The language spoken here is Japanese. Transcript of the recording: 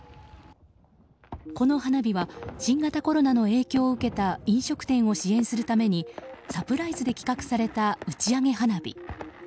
この花火は新型コロナの影響を受けた飲食店を支援するためにサプライズで企画された打ち上げ花火。